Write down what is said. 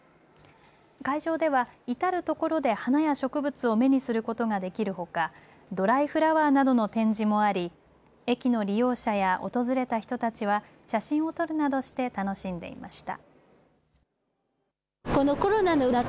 会場では至る所で花や植物を目にすることができるほかドライフラワーなどの展示もあり駅の利用者や訪れた人たちは写真を撮るなどして楽しんでいました。